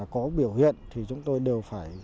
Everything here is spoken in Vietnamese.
có biểu hiện thì chúng tôi đều phải